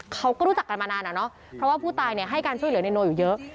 เขาก็รู้จักกันมานานอะเนาะเพราะว่าผู้ตายเนี่ยให้การช่วยเหลือในโนอยู่เยอะ